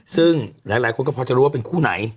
ซึ่งหลายคนก็พอจะรู้ว่าเป็นคู่ไหน